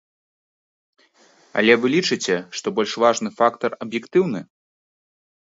Але вы лічыце, што больш важны фактар аб'ектыўны?